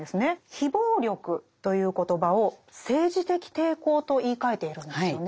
「非暴力」という言葉を「政治的抵抗」と言いかえているんですよね。